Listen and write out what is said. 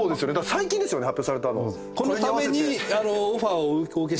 最近ですよね発表されたの。